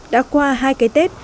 đã qua hai cái tết